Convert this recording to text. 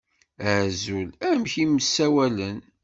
Azul, amek i m-ssawalen?